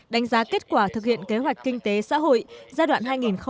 đánh giá kết quả thực hiện kế hoạch kinh tế xã hội giai đoạn hai nghìn một mươi sáu hai nghìn hai mươi